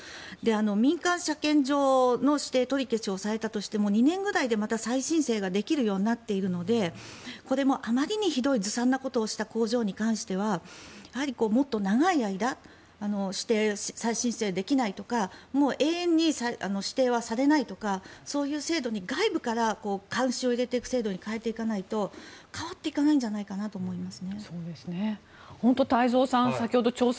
民間車検場の指定取り消しをされたとしても２年ぐらいでまた再申請ができることになっているのでこれもあまりにひどいずさんなことをした工場に関してはもっと長い間指定を再申請できないとか永遠に指定はされないとかそういう制度に外部から監視を入れていく制度に変えていかないと変わっていかないんじゃないかと思います。